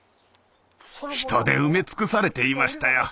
人で埋め尽くされていましたよ。